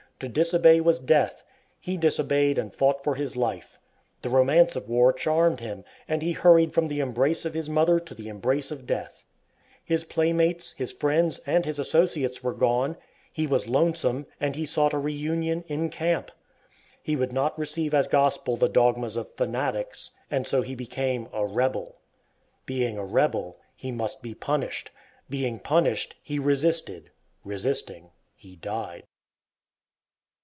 To disobey was death. He disobeyed and fought for his life. The romance of war charmed him, and he hurried from the embrace of his mother to the embrace of death. His playmates, his friends, and his associates were gone; he was lonesome, and he sought a reunion "in camp." He would not receive as gospel the dogmas of fanatics, and so he became a "rebel." Being a rebel, he must be punished. Being punished, he resisted. Resisting, he died.